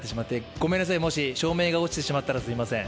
ごめんなさい、照明が落ちてしまったらすみません。